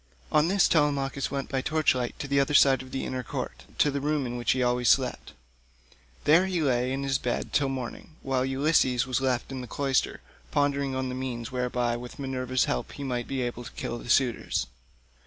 On this Telemachus went by torch light to the other side of the inner court, to the room in which he always slept. There he lay in his bed till morning, while Ulysses was left in the cloister pondering on the means whereby with Minerva's help he might be able to kill the suitors.